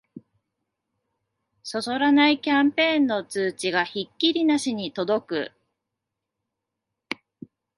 そそらないキャンペーンの通知がひっきりなしに届く